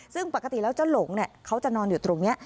ซึ่งปกติแล้วเจ้าหลงเขาจะนอนอยู่ตรงนี้